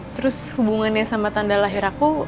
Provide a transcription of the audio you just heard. terus hubungannya sama tanda lahir aku